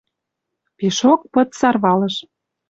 Пишок пыт сарвалыш.